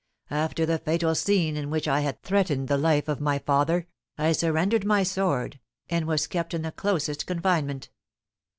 After the fatal scene in which I had threatened the life of my father, I surrendered my sword, and was kept in the closest confinement.